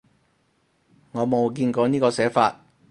我冇見過呢個寫法